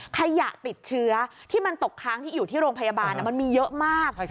ขยะติดเชื้อที่มันตกค้างที่อยู่ที่โรงพยาบาลมันมีเยอะมาก